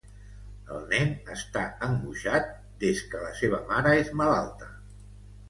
El nen està angoixat des que la seva mare és malalta.